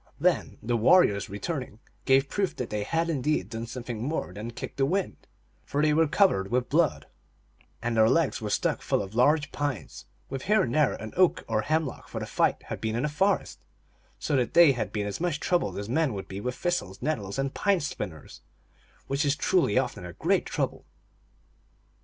Then the warriors, returning, gave proof that they had indeed done something more than kick the wind, for they were covered with blood, and their legs were stuck full of large pines, with here and there an oak or hemlock, for the fight had been in a forest; so that they had been as much troubled as men would be with thistles, nettles, and pine splinters, which is truly often a great trouble.